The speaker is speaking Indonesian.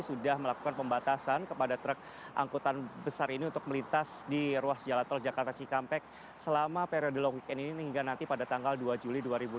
sudah melakukan pembatasan kepada truk angkutan besar ini untuk melintas di ruas jalan tol jakarta cikampek selama periode long weekend ini hingga nanti pada tanggal dua juli dua ribu dua puluh